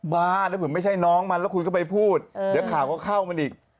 บ้าแล้วผมไม่ใช่น้องมันแล้วคุณก็ไปพูดเดี๋ยวข่าวก็เข้ามันอีก